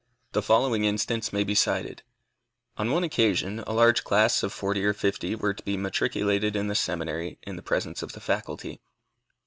The following instance may be cited. On one occasion, a large class of forty or fifty were to be matriculated in the Seminary in the presence of the Faculty.